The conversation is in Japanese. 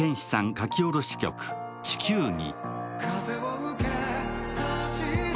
書き下ろし曲「地球儀」。